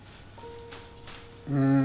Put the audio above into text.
うん。